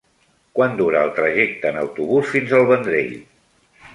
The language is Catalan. Quant dura el trajecte en autobús fins al Vendrell?